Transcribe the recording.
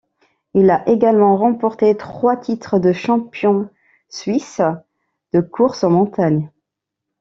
Il a également remporté trois titres de Champion suisse de course en montagne.